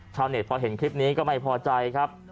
ชาวเน็ตพอเห็นคลิปนี้ก็ไม่พอใจครับ